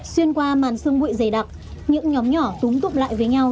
xuyên qua màn xương bụi dày đặc những nhóm nhỏ túng tụng lại với nhau